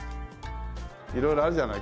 色々あるじゃない？